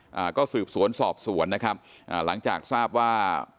อ่าก็สืบสวนสอบสวนนะครับอ่าหลังจากทราบว่า